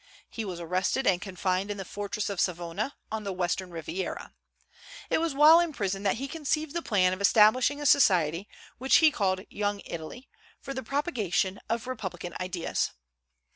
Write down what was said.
He was arrested, and confined in the fortress of Savona, on the western Riviera. It was while in prison that he conceived the plan of establishing a society, which he called "Young Italy," for the propagation of republican ideas.